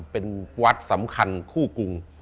เป็นวัดสำคัญคู่กรุง